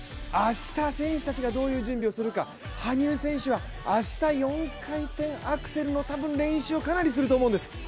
明日選手たちがどういう準備をするか羽生選手は、明日４回転アクセルの練習をかなりすると思うんです。